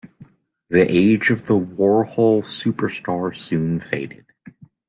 The age of the Warhol superstar soon faded.